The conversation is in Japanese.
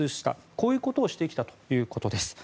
こういうことをしてきたということです。